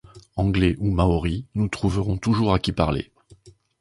Anglais ou Maoris, nous trouverons toujours à qui parler